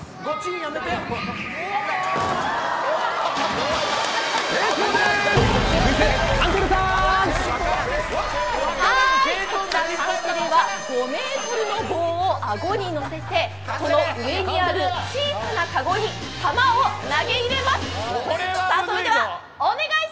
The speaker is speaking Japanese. こちらカンテレは５メートルの棒をあごに乗せて上にある小さなかごに球を投げ入れます。